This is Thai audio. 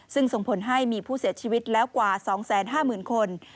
ซึ่งส่งผลให้มีผู้เสียชีวิตแล้วกว่า๒๕๐๐๐คน